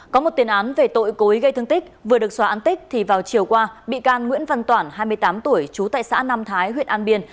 có một tiền án về tội cố ý gây thương tích vừa được xóa án tích thì vào chiều qua bị can nguyễn văn toản hai mươi tám tuổi trú tại xã nam thái huyện an biên